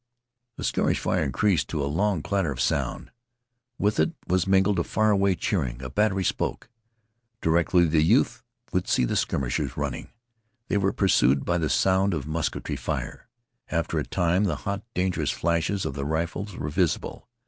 The skirmish fire increased to a long chattering sound. With it was mingled far away cheering. A battery spoke. Directly the youth would see the skirmishers running. They were pursued by the sound of musketry fire. After a time the hot, dangerous flashes of the rifles were visible.